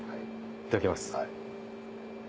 いただきます。